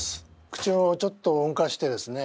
口をちょっと動かしてですね